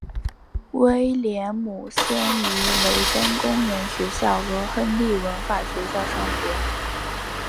威廉姆森于雷登公园学校和亨利文法学校上学。